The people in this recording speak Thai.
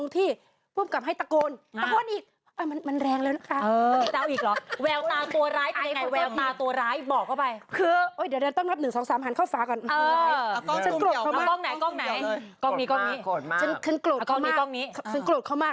ที่มาก็คือว่าเราติดปากจากการสั่งกาแฟของบีอิงลีและคุณผู้ทำงาน